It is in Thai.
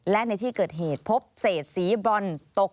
และในที่เกิดเหตุพบเศษสีบรอนตก